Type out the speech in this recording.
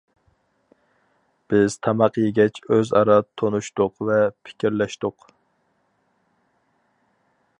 بىز تاماق يېگەچ ئۆزئارا تونۇشتۇق ۋە پىكىرلەشتۇق.